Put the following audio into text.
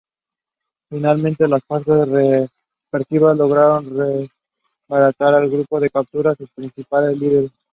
Finalmente las fuerzas represivas lograron desbaratar al grupo y capturar a sus principales líderes.